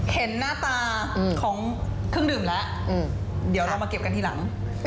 เห็นหน้าตาของเครื่องดื่มแล้วเดี๋ยวเรามาเก็บกันทีหลัง